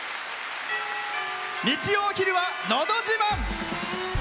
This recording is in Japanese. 日曜お昼は「のど自慢」